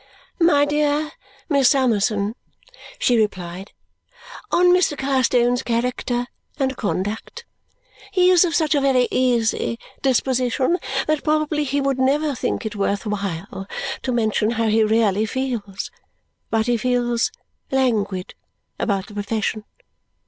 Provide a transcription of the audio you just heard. "My dear Miss Summerson," she replied, "on Mr. Carstone's character and conduct. He is of such a very easy disposition that probably he would never think it worth while to mention how he really feels, but he feels languid about the profession.